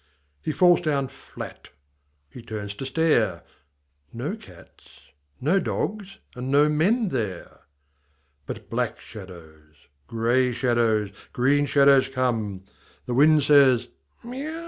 He falls down flat. H)e turns to stare — No cats, no dogs, and no men there. But black shadows, grey shadows, green shadows come. The wind says, " Miau !